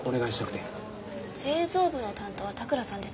製造部の担当は田倉さんですが。